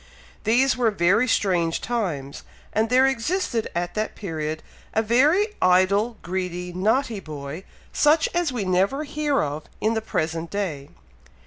These were very strange times, and there existed at that period, a very idle, greedy, naughty boy, such as we never hear of in the present day.